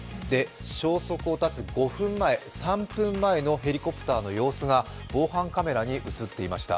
消息を絶つ５分前、３分前のヘリコプターの映像が防犯カメラに映っていました。